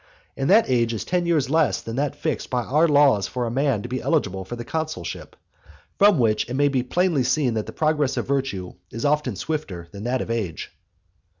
And that age is ten years less than that fixed by our laws for a man to be eligible for the consulship. From which it may be plainly seen that the progress of virtue is often swifter than that of age. XVIII.